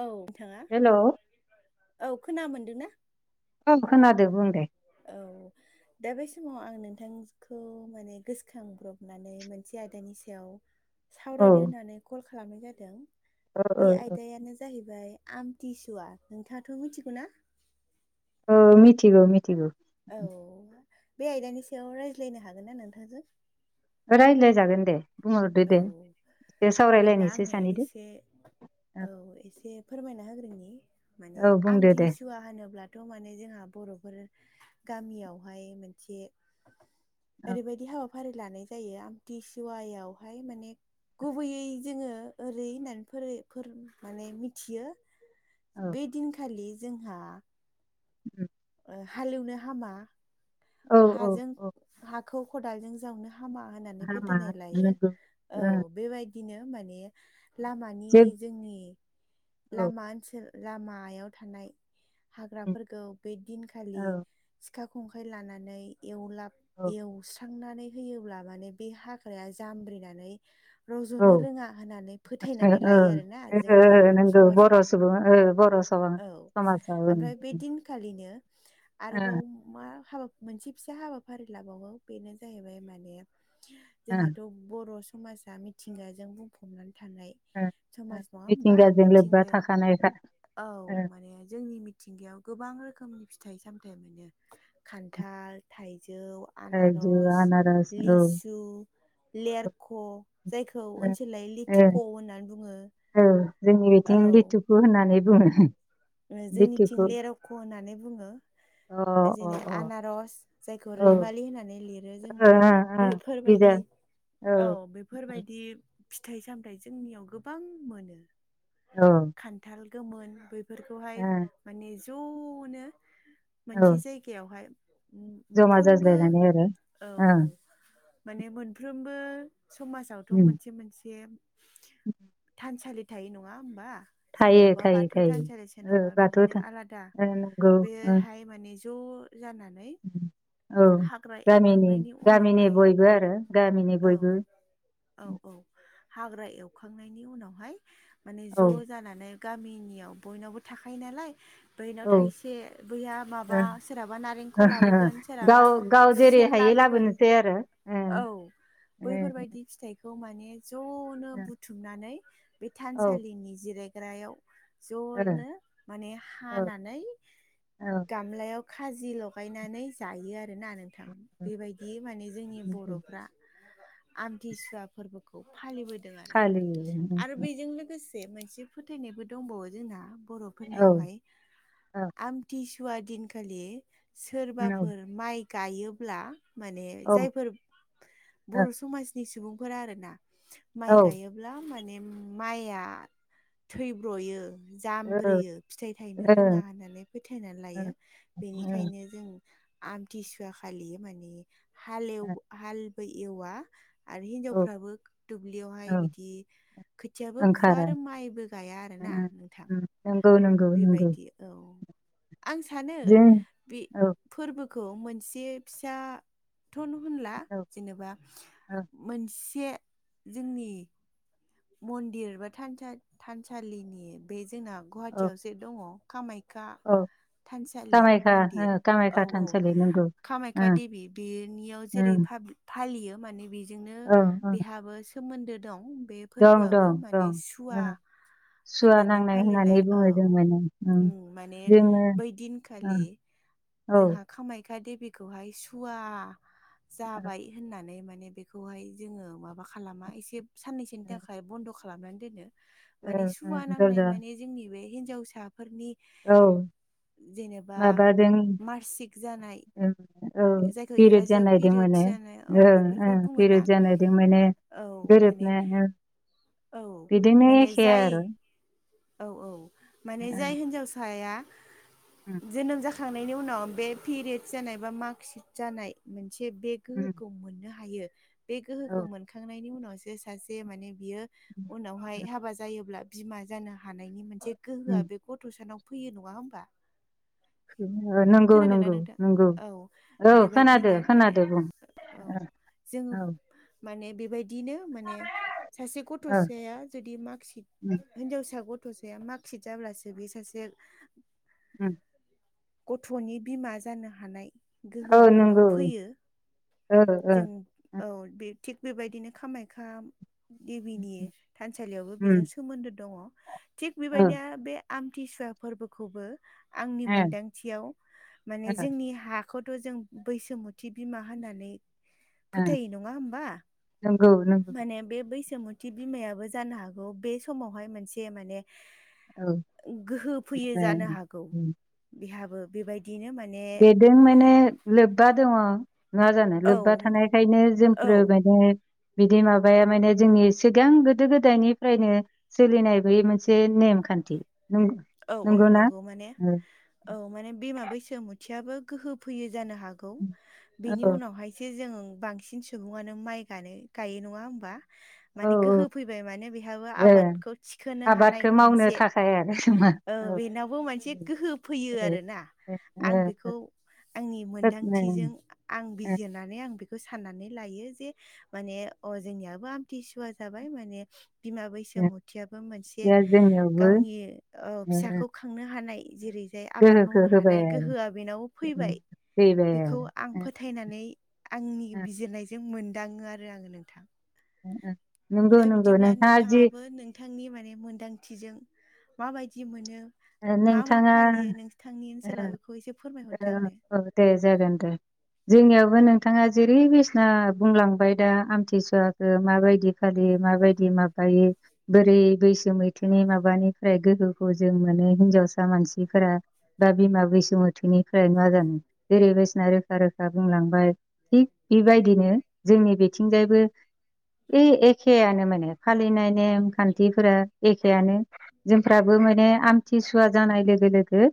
औ नोंथाङा हेलौ औ खोना मोनदों ना? औ खोनादों बुं दे। औ। दा बे समाव आं नोंथांखौ माने गोसोखांब्रबनानै मोनसे आयदानि सायाव। औ ओ सावरायनो होननानै कल खालामनाय जादों ओ बि ओ आयदायानो जाहैबाय आमथिसुवा नोंथाङाथ' मिथिगौ ना? ओ मिथिगौ मिथिगौ। औ औ औ बे आयदानि सायाव रायज्लायनो हागोन ना नोंथांजों? रायज्लायजागोन दे। बुंहरदो औ दे एसे बिदिब्ला सावरायलायनोसै आंनो सानैदो एसे औ एसे फोरमायना होग्रोनि माने औ बुंदो दे आमथिसुवाया फानोब्लाथ' माने जोंहा बर'फोर गामियावहाय मोनसे औ ओरैबायदि हाबाफारि लानाय जायो आमथिशुवायावहाय माने। गुबैयै जोङो ओरै होननानै फोर माने मिथियो। औ बे दिनखालि जोंहा [inaudible] ओ हालएवनो हामा। औ औ हाजों औ हाखौ खदालजों जावनो हामा होननानै हामा फोथायनाय लायो नंगौ औ। ओ बेबादिनो माने लामानि जे जोंनि औ औ लामा ओनसोल। लामायाव थानाय औ हाग्राफोरखौ बे दिनखालि। औ सिखा खंखाइ लानानै एवलाब ओ एवस्रांनानै दानसारांनानै होब्ला माने बे हाग्राया जामब्रिनानै ओ रज'नो रोङा होननानै फोथायनानै ओ लायो आरोना जोंनि बर' नंगौ समाजाव। सुबुं ओ बर' सुबुं औ समाजाव ओं ओमफ्राय बे दिनखालिनो ओं आरोबाव मा हाबाया मोनसे फिसा हाबाफारि लाबावो बेनो जाहैबाय माने ओं जोंहा बर' समाजा मिथिंगाजों बुंफबनानै थानाय ओं ओं समाज नङा होनबा मिथिंगाजों लोब्बा मिथिंगायाव थाखानायखा ओ औ माने जोंनि मिथिं मिथिंगायाव गोबां रोखोमनि फिथाइ सामथाय मोनो। खानथाल, थाइजौ, थाइजौ आनारस, आनारस औ लिसु ओ लेरख' जायखौ ओनसोल लायै ओ लेथुक' होननानै बुङो। औ जोंनि बिथिं लिथुखु होननानै बुङो। ओ जोंनिथिं लिथुखु लुरेख' होननानै बुङो। अ ओ जेनै अ औ आनारस जायखौ ओ रैमालि होननानै लिरो जों। ओ बेफोर गिजा बायदि औ बे बेफोर औ बायदि फिथाइ-सामथाइ जोंनियाव गोबां मोनो। औ। खान्थाल गोमोन बैफोरखौहाय माने ज'नो मोनसे औ जाय जायगायावहाय जमा मोनफ्रोमबो जाज्लायनानै आरो औ। ओं माने मोनफ्रोमबो समाजावथ' उम मोनसे मोनसे थानसालि थायो नङा होमबा थायो सोरनियावबा थायो बाथौ थायो। थानसालि ओ सोरनावबा बाथौ बिदिनो था आलादा ओ नंगौ ओ बेहाय माने ज' जानानै उम, औ हाग्रा गामिनि एवखांनायनि उनावहाय [unintelligible] आरो गामिनि औ बयबो औ औ हाग्रा एवखांनायनि उनावहाय माने औ ज' जानानै गामिनियाव बयनावबो थाखायो नालाय बैनाव औ थाइसे बैया माबा ओं सोरहाबा नारेंखल लाबोगोन सोरहाबा खुसेर लाबोगोन सै आरो उम। बैफोर बायदि फिथाइखौ माने ज'नो ओं बुथुमनानै बे औ थानसालिनि जिराय ग्रायाव ओ ज'नो माने औ हानानै औ गाम लायाव खाजि लगायनानै जायो आरोना नोंथां। औ बेबायदि माने जोंनि नंगौ बरफ्रा आमथिसुवा फोरबोखौ फालिबो दों आरो। फालियो आरो बेजों लोगोसे मोनसे फोथायनायबो दंबावो जोंहा बर' औ फोरनियावहाय औ आमथिसुवा दिनखालि औ सोरबाफोर माइ गायोब्ला माने औ जायफोर बर' समाजनि सुबुंफोरा आरोना माइ औ गायो ब्ला माने माया थैब्र'यो जामब्रियो फिथाइ थायनो रोङा होननानै फोथायनानै लायो। औ बेनिखायनो जों आमथिसुवा खालि माने हाल एव हालबो एवा आरो हिनजावफ्राबो औ दुब्लियावहाय बिदि खोथियाबो फुवा ओंखारो आरो माइबो गाया आरो ना नोंथां। औ नंगौ नंगौ। बेबायदि औ आं सानो जों बे औ फोरबोखौ मोनसे फिसाथ' होनला। औ जेनेबा मोनसे जोंनि मन्दिर बा थानसा-थानसालिनि बे जोंना औ गुवाहाटियाव जे दङ'। कामाख्या औ थानसालि कामाख्या मन्दिर औ कामाख्या औ थानसालि नंगौ ओ, कामाख्या देबि बेनियाव ओ, जेरै फालियो माने बेजोंनो औ औ बेहाबो सोमोन्दो दं बे दं फोरबोआबो दं माने दं सुवा ओ, सुवा होननानै नांनाय होननानै फालिनायाय औ बुङो जों माने ओ, उम माने बै दिनखालि औ। जोंहा कामाख्या देबिखौहाय सुवा औ जाबाय होननानै माने बे बेखौहाय जोङो माबा खालामा एसे साननैसोनि ओ, थाखाय बन्द' खालामनानै दोनो। ओ, माने ओ, सुवा नांनाय दरजा माने जोंनि बे हिनजावसाफोरनि औ। जेनेबा माबाजों मार्सिक जानाय ओं औ जायखौ पिरियड इंराजियाव जानायदों माने पिरियड्स जानाय औ ओं बेफोरखौ ओं बुङोना पिरियड जानायदों माने औ माने गोरोबनो ओं औ बिदिनो माने एखे जाय आरो औ औ माने जाय ओं हिनजावसाया ओं जोनोम ज जाखांनायनि उनाव बे पेरियदस जानाय बा मार्कशिट जानाय मोनसे बेग ओं गोहोखौ मोननो हायो बे औ गोहोखौ मोनखांनायनि उनावसो सासे माने बियो ओं उनावहाय हाबा जायोब्ला बिमा जानो हानायनि मोनसे ओं गोहोआ बे गथ सानाव फैयो नङा होमबा? औ नंगौ खोनादों नना नंगौ नोंथां नंगौ औ औ खोनादो बेबायदिनो माने खोनादो बुं औ जोङो औ माने बेबायदिनो माने सासे औ गथ'साया जुदि मार्कशट उम हिनजावसा गथ'साया मार्कशिट जाब्लासो बे सासे उम। गथ'नि बिमा जानो हानाय। औ गोहोआ बेनाव नंगौ फैयो औ औ जों औ थिग बेबायदिनो कामाखाख्या देबिनि थानसालियावबो बेजों सोमोन्दो दङ थिग बेबायदिनो बे आमथिसुवा फोरबोखौबो आंनि मोनदां थियाव माने जोंनि हाखौथ' जों बैसुमुथि बिमा होननानै फोथायो नङा होमबा नंगौ नंगौ माने बे बैसोमुथि थि बिमायाबो जानो हागौ बे समावहाय मोनसे माने औ ओ गोहो फैयो जानो हागौ उम बिहाबो बेबायदिनो माने बेदों माने लोब्बा दङ। मा जानो औ लोब्बा थानायखायनो औ जोंफोरो माने बिदि माबाया माने जोंनि सिगां गोदो गोदायनिफ्रायनो सोलिनाय बयो मोनसे नेमखान्थि। नंगौ औ औ नंगौना नंगौ ‌। माने औ औ माने बिमा बैसोमुथियाबो गोहो फैयो जानो हागौ औ बेनि उनावहाय एसे जों बांसिन सुबुङानो माइ गानो गायो नङा होमबा? औ माने औ गोहो फैबाय माने बेहाबो ए आबादखौ थिखोनो हानाय मोनसे जाया आरो खोमा बेनावबो मोनसे गोहो फैयो ए आरो ना। ए ओ आं बेखौ आंनि मोनदांथिजों आं ओ बिजिरनानै आं बेखौ साननानै लायो जे माने अ जोंनियाबो आमथिसुवा जाबाय माने बिमा बैसोमथियाबो मोनसे खोथिया जोंनियावबो गावनि ओ फिसाखौ खांनो हानाय जेरै जाय आबाद गोहोखौ मावनो होबाय हानाय गोहोआ बेनाव आरो फैबाय फैबाय बेखौ आरो आं फोथायनानै आंनि ओ बिजिरनायजों मोनदाङो आरो आङो नोंथां। ओ ओ नंगौ दा नंगौ बिदिब्ला नोंथाङा जि नोंथाङाबो नोंथांनि माने मोनदांथिजों माबायदि मोनो ओ, मा मा नोंथाङा फालियो नोंसथांनि ओ, ओनसोलाव बेखौ एसे ओ, फोरमायहरदोआंनो। औ दे जागोन दे। जोंनियावबो नोंथाङा जेरै बिसिना बुंलांबाय दा आमथिसुवाखौ माबायदि खालि माबायदि माबायो बोरै बैसो मैथोनि माबानिफ्राय गोहोखौ जों माने हिन्जावसा मानसिफोरा बा बिमा बैसुमथोनिफ्राय मा जानो जेरै बायसिना रोखा रोखा बुंलांबाय। थिग बेबायदिनो जोंनि बिथिंजायबो ए एखेयानो माने फालिनाय नेम खान्थिफोरा एखेयानो जोंफ्राबो माने आं आथिसुवा जानाय लोगो लोगो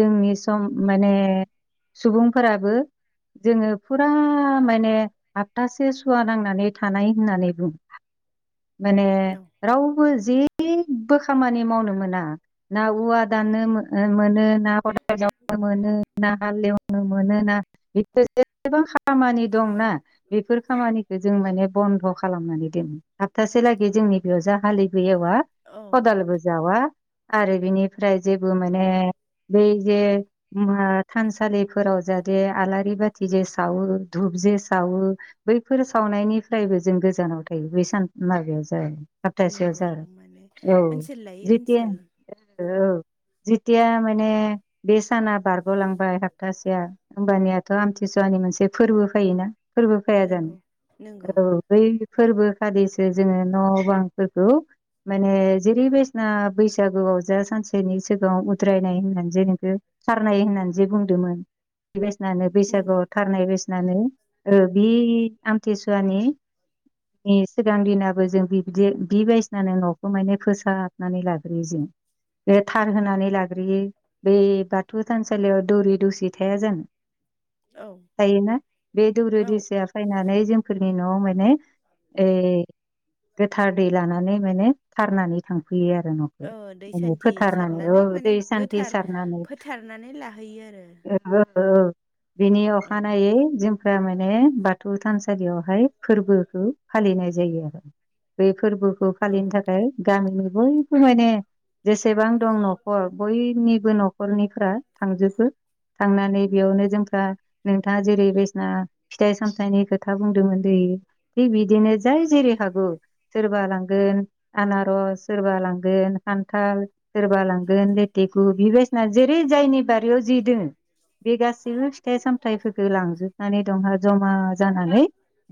जोंनि सम माने सुबुंफोराबो जोङो फुरा माने हप्थासे सुवा नांनानै थानाय होननानै बुङो माने रावबो जेबो खामानि मावनो मोना। ना औवा दाननो मोनो ना खावनो मोनो। नागाल एवनो मोनो ना बिदि जेसेबां खामानि दंना बेफोर खामानि जों माने बन्द' खालामनानै दोनो सबथासे लागै जोंनि बेयाव जा हालिबो एवा औ औ खदालबो जावा आरो बिनिफ्राय जेबो माने बै जे थानसालिफोराव जाहाथे आलारि बाथि जे सावो धुप जे सावो बैफोर सावनायनिफ्रायबो जों गोजानाव थायो बै सान माबाया जाया। सप्तासेआव नंगौ जा माने औ ओनसोल लायै जि ओनसोल दिन औ जेथिया माने बे साना बारग'लांबाय हापतासेया होमबानियाथ' आमथिसुवानि मोनसे फोरबो फैयोना फोरबो फैया नंगौ नंगौ जानो औ बै फोरबो खालिसो जोङो न' बांफोरखौ माने जेरै बासिना बैसो बैसागोआव जा सानसेनि सिगाङाव उद्रायनाय होननानैसे नोंखौ खारनाय होननानै जे बुंदोंमोन। बे बादिनो नंगौ बैसागुआव थारनाय बायसिनानो बे आमथिसुवानि सिगां दिनाबो जों बिदि बि बायदियावनो न'खौ माने फोसाबनानै लायो। राइजो बे थार होनानै लाग्रोयो बे बाथौ थानसालियाव दौरि दौसि थाया जानो। औ थायोना बे दौरि औ दैसया फैनानै जोंफोरनि न'आव माने ए गोथार दै लानानै माने थारनानै थांफैयो आरो न'। औ दै सान्थि सारनानै माने दै सान्थि गोथार सारनानै फोथारनानै लाहैयो आरो। औ औ बिनि अखानायै जोंफ्रा माने बा बथौ थानसालियावहाय फोरबोखौ फालिनाय जायो आरो। बे फोरबो खौ औ फालिनो थाखाय गामिनि बयबो माने जेसेबां दं न'खर बयनिबो न'खरनिफोरा थांजोबो। थांनानै बेयावनो जोंफ्रा नोंथाङा जेरै बायदिसिना फिथाइ सामथाइनि खोथा बुंदोंमोन दहायो थिग बिदिनो जाय जेरै हागौ सोरबा लांगोन आनारस सोरबा लांगोन खान्थाल सोरबा लांगोन ले देगु जेरै बायदिसिना जेरै जायनि बारियाव जे दोङो। बे गासैबो फिथाइ सामथायाइफोरखौ लांजोबनानै दंहा जमा जानानै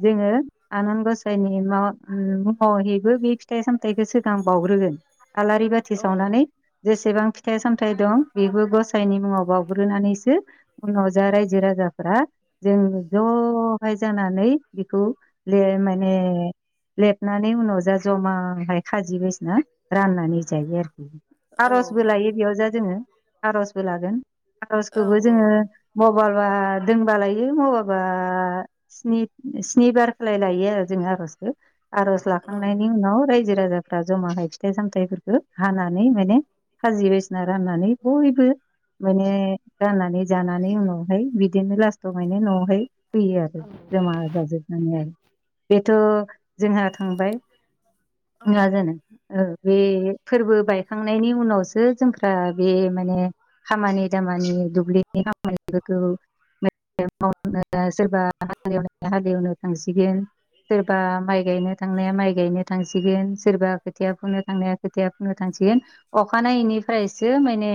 जोङो आनान गसाइनि मा मुङावहैबो बे फिथाइ सामथायाइखौ सिगां बावग्रोगोन। आलारि बाथि औ सावनानै जेसेबांखि फिथाइ सामथाइ दं बेबो गसाइनि मुङाव बावग्रोनानैसो उनाव जा राय रारजो-राजाफोरा जों जहाय जानानै बेखौ लेर माने लेरनानै उनाव जा जमाहाय खाजि बायसिना राननानै जायो आरो। औ आर'जबो लायो बेयाव जा जोङो आर'जबो लागोन औ आर'जखौबो जोङो मबावबा दोंनबा लायो मबावबा स्निबार सालाय लायो आरो जों आर'जखौ आर'ज औ लाखांनायनि उनाव रायजो राजाफ्रा जमा हाय फिथाइ सामथाइफोरखौ हानानै माने खाजि बायदिसिना राननानै बयबो माने राननानै जानानै उनावहाय बिदिनो लास्टाव मे न'आवहाय फैयो आरो। औ जमा जाजोबनानै। बेथ' जोंहा थांबाय औ नङा जानो। ओ बे फोरबो बायखांनायनि उनावसो जोंफ्रा बे माने खामानि दामानि दुब्लिनि खामानिफोरखौ [unintelligible] सोरबा हालेएवनाया हालेएवनो थांसिगोन सोरबा माइ गायनो थांनाया माइ गायनो थांसिगोन सोरबा खोथिया फोनो थांनाया खोथिया फोनो थांसिगोन अखानायैनिफ्रायसो माने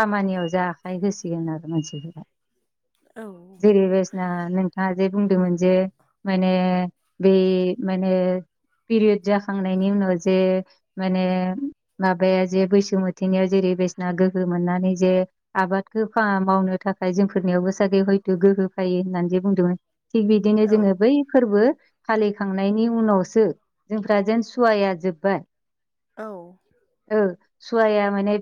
खामानियाव जा आखाइ होसिगोन आरो मानसिफोरा। औ जेरै बायदिसिना नोंथाङा जे बुंदोंमोन जे माने बै माने पिरियद जाखांनायनि उनाव जे माने माबाया जे बैसो मोथोनियाव जेरै बेसना गोहो मोननानै जे आबादखौ मावनो थाखाय जोंफोरनियावबो जानो हागौ हयथ' गोहो फायो होननानै जे बुंदोंमोन। थिग बिदिनो जोङो बै फोरबो फालिखांनायनि उनावसो जोंफ्रा जेन सुवाया जोबबाय। औ औ सुवाया माने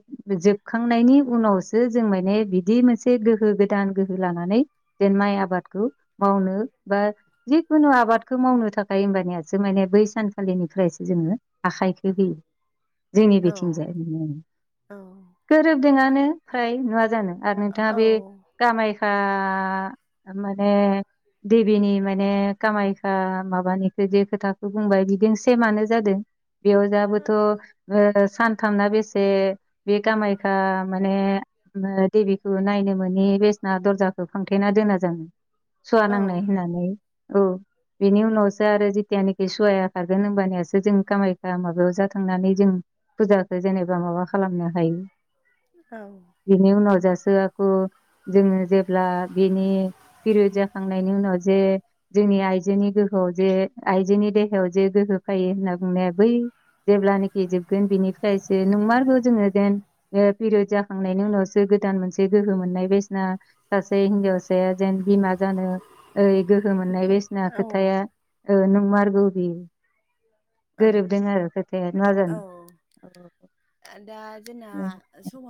जोबखांनायनि उनावसो जों माने बिदि मोनसे गोहो गोदान गोहो लानानै जेन माइ आबादखौ मावनो बा जिखुनु आबादखौ मावनो थाखाय होमबानियासो माने बै सानखालिनिफ्रायसो जोङो आखाइखौ‌ होयो जोंनि औ बिथिंजाय। औ गोरोबदोंआनो फ्राय नडा़ जानो आरो नोंथाङा बे औ कामायया माने देबिनि माने कामायखा माबानिखौ जे खोथाखौ बुंबाय बिदि सेमानो जादों। बेयाव जाबोथ' सानथामना बेसे बे गामायखा माने देबिखौ नायनो मोै बेसना दरजाखौ फांथेना दोना जानो। सुवा नांनाय होननानै औ बेनि उनावसो आरो जिथिनाखि सहायखागोन होनोमबानियासो जों कामाय माबायाव जा थांनानै जों फुजाखौ जेनेबा माबा खालामनो हायो बेनि उनाव जासो आखु जोङो जेब्ला बेनि पिरियद जाखांनायनि उनाव जे जोंनि आइजोनि गोहोआव जे आइजोनि देहायाव जे गोहो फैयो होनना बुंनाया बै जेब्लानोाखि जोबगोन बिनिफ्रायसो नोंमारगौ जोङो जेन पिरियद जा थांनायनि उनावसो गोदान मोनसे गोहो मोननाय बायदिना सासे हिन्जावसाया जेन बिमा जानो ओइ गोहो मोननाय बायदिसिना खोथाया औ नोंमारगौबि औ खोथाया मा औ जानो दा जोंना औ समाबो